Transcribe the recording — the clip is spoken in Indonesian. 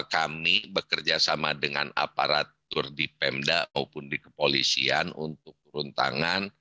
kami bekerja sama dengan aparatur di pemda maupun di kepolisian untuk turun tangan